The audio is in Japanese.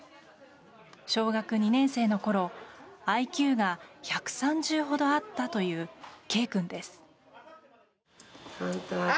小学２年生のころＩＱが１３０ほどあったというＫ君です。